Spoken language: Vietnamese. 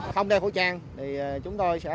không đeo khẩu trang thì chúng tôi sẽ